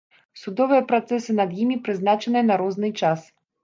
Судовыя працэсы над імі прызначаныя на розны час.